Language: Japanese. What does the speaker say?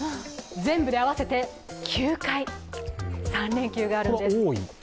全部で合わせて９回、３連休があるんです。